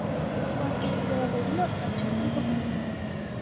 Պատկերի ձևավորումը արդյունքում փոխվեց։